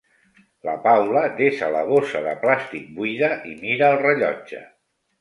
La Paula desa la bossa de plàstic buida i mira el rellotge.